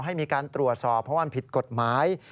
ให้มีการตรวจสอบเพราะมันผิดกฎหมาย